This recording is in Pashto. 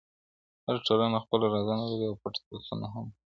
هره ټولنه خپل رازونه لري او پټ دردونه هم,